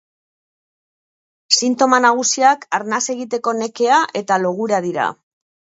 Sintoma nagusiak arnas egiteko nekea eta logura dira.